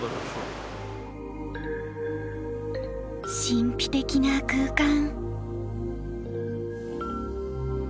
神秘的な空間。